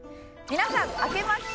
皆さんあけまして。